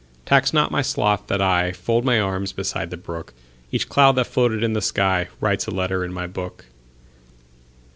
Tax not my sloth that IFold my arms beside the brook; Each cloud that floated in the skyWrites a letter in my book.